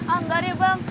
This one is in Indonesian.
enggak deh bang